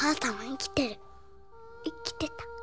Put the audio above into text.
生きてた。